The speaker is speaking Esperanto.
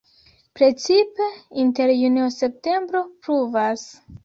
Precipe inter junio-septembro pluvas.